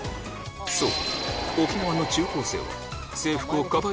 そう！